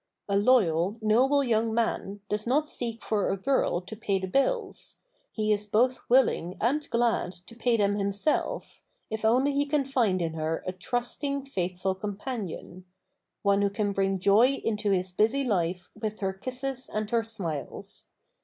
A loyal, noble young man does not seek for a girl to pay the bills, he is both willing and glad to pay them himself, if only he can find in her a trusting, faithful companion—one who can bring joy into his busy life with her kisses and her smiles.